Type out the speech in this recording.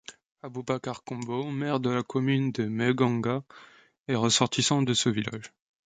Aboubakar Kombo, maire de la commune de Meiganga est ressortissant de ce village.